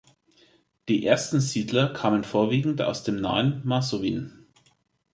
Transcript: Die ersten Siedler kamen vorwiegend aus dem nahen Masowien.